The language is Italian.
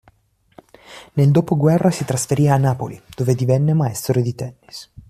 Nel dopoguerra si trasferì a Napoli, dove divenne maestro di tennis.